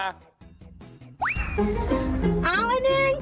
เอ้า